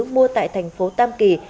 mua tại tp tam kỳ